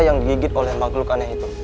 yang digigit oleh makhluk aneh itu